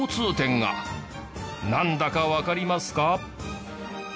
なんだかわかりますか？